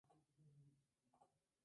Es de una familia de habla tamil.